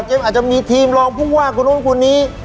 อาจจะมีทีมรองผู้ว่าคนนู้นคนนี้